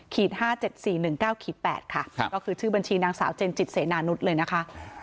๕๗๔๑๙๘ค่ะก็คือชื่อบัญชีนางสาวเจนจิตเสนานุษย์เลยนะคะ